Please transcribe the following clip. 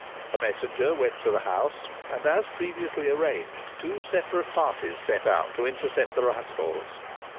A messenger went to the house, and, as previously arranged, two separate parties set out to intercept the rascals.